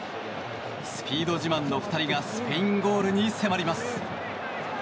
スピード自慢の２人がスペインゴールに迫ります。